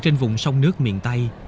trên vùng sông nước miền tây